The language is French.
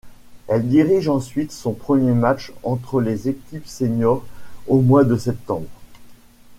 Elle dirige ensuite son premier match entre des équipes senior au mois de septembre.